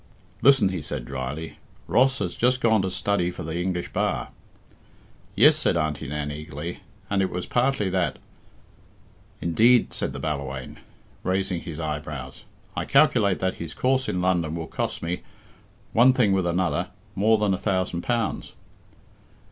"Listen," he said dryly. "Ross has just gone to study for the English bar." "Yes," said Auntie Nan eagerly, "and it was partly that " "Indeed!" said the Ballawhaine, raising his eyebrows. "I calculate that his course in London will cost me, one thing with another, more than a thousand pounds."